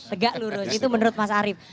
tegak lurus itu menurut mas arief